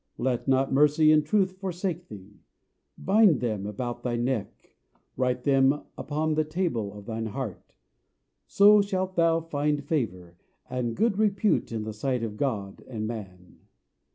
Let not mercy and truth forsake thee: Bind them about thy neck; Write them upon the table of thine heart: So shalt thou find favour, And good repute in the sight of God and man.